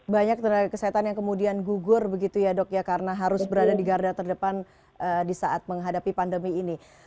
banyak tenaga kesehatan yang kemudian gugur begitu ya dok ya karena harus berada di garda terdepan di saat menghadapi pandemi ini